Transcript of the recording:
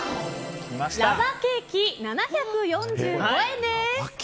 ラバケーキ、７４５円です。